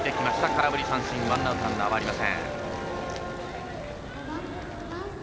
空振り三振ワンアウトランナーはありません。